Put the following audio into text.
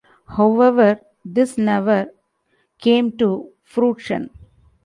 However, this never came to fruition.